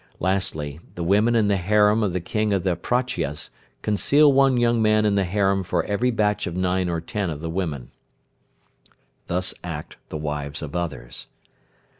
Lastly, the women in the harem of the King of the Prachyas conceal one young man in the harem for every batch of nine or ten of the women. Thus act the wives of others.